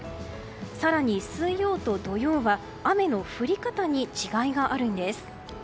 更に水曜日と土曜日は雨の降り方に違いがあるんです。